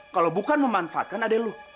kalau bukan memanfaatkan adik lo